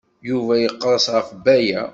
Yuba yeqres ɣef Baya.